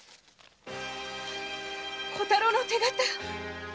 小太郎の手形‼